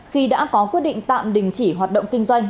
khi đã có quyết định tạm đình chỉ hoạt động kinh doanh